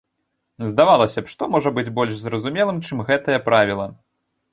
Здавалася б, што можа быць больш зразумелым, чым гэтае правіла.